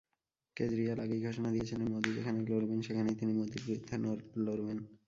কেজরিয়াল আগেই ঘোষণা দিয়েছিলেন মোদি যেখানে লড়বেন সেখানেই তিনি মোদির বিরুদ্ধে লড়বেন।